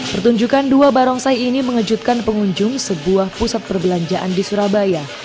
pertunjukan dua barongsai ini mengejutkan pengunjung sebuah pusat perbelanjaan di surabaya